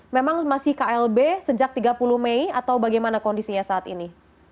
memang masih klb sejak tiga puluh mei atau bagaimana kondisinya saat ini